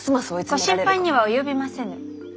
ご心配には及びませぬ。